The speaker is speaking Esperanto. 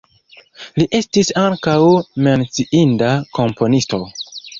Li estis ankaŭ menciinda komponisto.